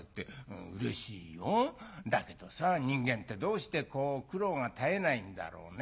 だけどさ人間ってどうしてこう苦労が絶えないんだろうね。